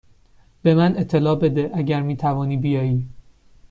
به من اطلاع بده اگر می توانی بیایی.